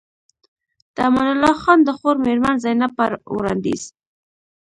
د امان الله خان د خور مېرمن زينب په وړانديز